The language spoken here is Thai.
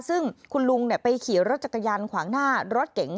ซึ่งคุณลุงไปขี่รถจักรยานขวางหน้ารถเก๋ง